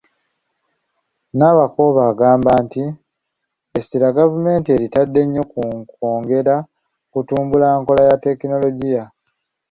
Nabakooba agamba nti essira gavumenti eritadde nnyo ku kwongera okutumbula enkola ya Tekinologiya.